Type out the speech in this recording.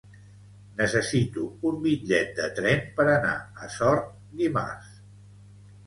Necessito un bitllet de tren per anar a Sort dimarts.